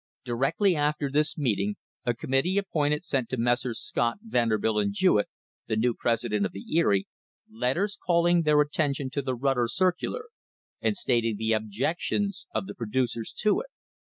Directly after this meeting a committee ap pointed sent to Messrs. Scott, Vanderbilt and Jewett, the new president of the Erie, letters calling their attention to the Rut ter circular, and stating the objections of the producers to it.